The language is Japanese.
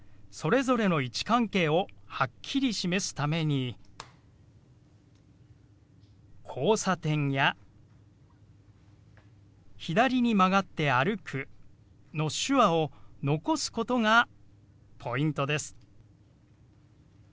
それぞれの位置関係をはっきり示すために「交差点」や「左に曲がって歩く」の手話を残すことがポイントです。